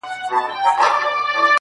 چیرته ځې جانانه په ډیوو پسې خو مه وځه